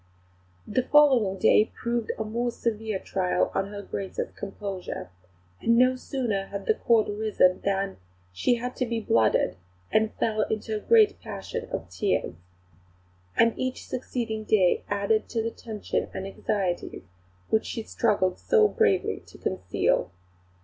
The following day proved a much more severe test to her Grace's composure; and no sooner had the Court risen than "she had to be blooded, and fell into a great passion of tears." And each succeeding day added to the tension and anxieties which she struggled so bravely to conceal.